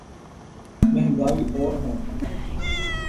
مہنگائی اور ہونی ہے۔